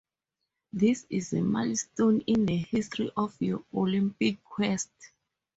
This is a milestone in the history of your Olympic quest.